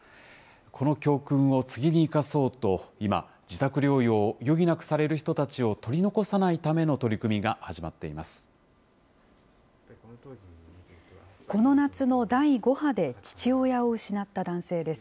この教訓を次に生かそうと、今、自宅療養を余儀なくされる人たちを取り残さないための取り組みがこの夏の第５波で父親を失った男性です。